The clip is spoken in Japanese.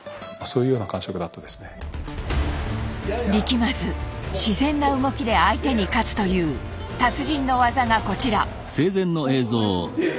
まず自然な動きで相手に勝つという達人の技がこちら。